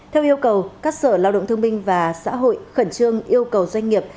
theo yêu cầu các sở lao động thương minh và xã hội khẩn trương yêu cầu doanh nghiệp